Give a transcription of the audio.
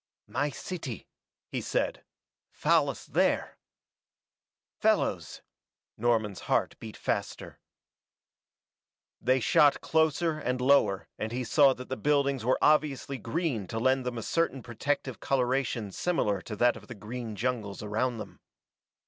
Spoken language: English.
"My city," he said. "Fallas there." Fellows! Norman's heart beat faster. They shot closer and lower and he saw that the buildings were obviously green to lend them a certain protective coloration similar to that of the green jungles around them.